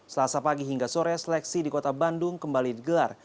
selasa pagi hingga sore seleksi di kota bandung kembali digelar